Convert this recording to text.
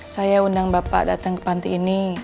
saya undang bapak datang ke panti ini